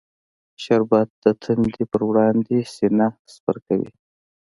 شربت د تندې پر وړاندې سینه سپر کوي